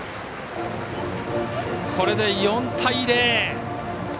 これで４対０。